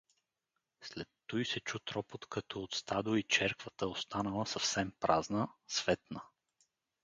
След туй се чу тропот като от стадо и черквата, останала съвсем празна, светна.